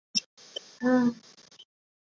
其胞兄为前中信鲸队外野手郭岱咏。